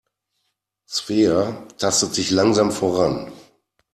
Svea tastet sich langsam voran.